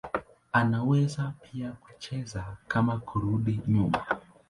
Anaweza pia kucheza kama kurudi nyuma.